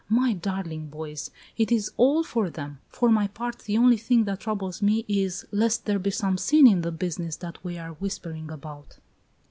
My darling boys! It is all for them! For my part, the only thing that troubles me is lest there be some sin in this business that we are whispering about."